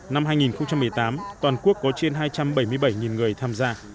năm hai nghìn một mươi tám toàn quốc có trên hai trăm bảy mươi bảy người tham gia